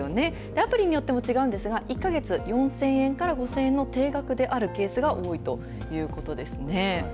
アプリによっても違うんですが、１か月４０００円から、５０００円の定額であるケースが多いということですね。